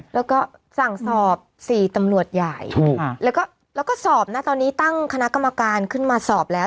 แล้วก็สั่งสอบ๔ตำรวจใหญ่แล้วก็สอบนะตอนนี้ตั้งคณะกรรมการขึ้นมาสอบแล้ว